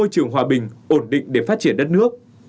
của đất nước